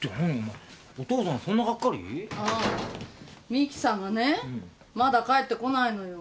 美樹さんがねまだ帰ってこないのよ。